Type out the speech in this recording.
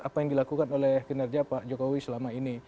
apa yang dilakukan oleh kinerja pak jokowi selama ini